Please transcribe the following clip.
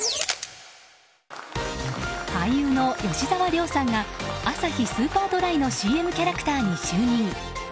俳優の吉沢亮さんがアサヒスーパードライのＣＭキャラクターに就任。